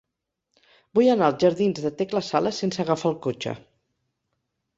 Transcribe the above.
Vull anar als jardins de Tecla Sala sense agafar el cotxe.